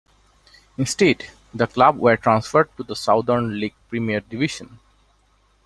Instead, the club were transferred to the Southern League Premier Division.